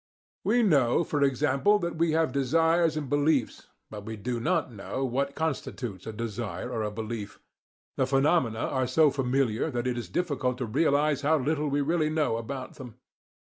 We know, for example, that we have desires and beliefs, but we do not know what constitutes a desire or a belief. The phenomena are so familiar that it is difficult to realize how little we really know about them.